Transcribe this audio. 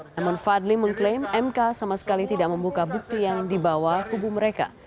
namun fadli mengklaim mk sama sekali tidak membuka bukti yang dibawa kubu mereka